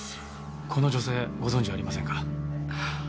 この女性ご存じありませんか？